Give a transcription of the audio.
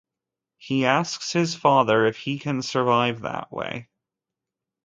He asks his father if he can survive that way.